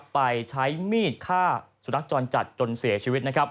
ไปใช้มีดฆ่าสุรรักษ์จรรย์จัดจนเสียชีวิต